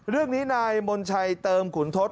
เรื่องนี้นายมนชัยเติมขุนทศ